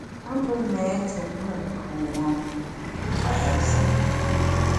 A mbe méé te mùt kuwuom, m’ nkpèt nsùm.